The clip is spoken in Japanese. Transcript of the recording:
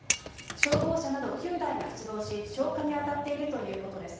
消防車など９台が出動し、消火に当たっているということです。